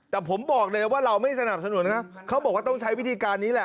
แต่ผมบอกเลยว่าเราไม่สนับสนุนนะเขาบอกว่าต้องใช้วิธีการนี้แหละ